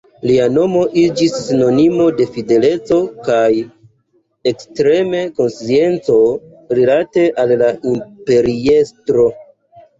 Lia nomo iĝis sinonimo de fideleco kaj ekstrema konscienco rilate al la imperiestro.